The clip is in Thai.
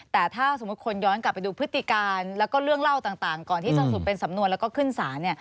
แต่ถ้าสมมุติคนย้อนกลับไปดูพฤติการแล้วก็เรื่องเล่าต่างก่อนที่จะสรุปเป็นสำนวนแล้วก็ขึ้นศาล